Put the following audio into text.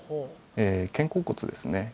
肩甲骨ですね